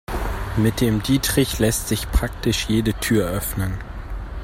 Mit dem Dietrich lässt sich praktisch jede Tür öffnen.